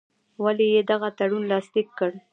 ولي یې دغه تړون لاسلیک کړ.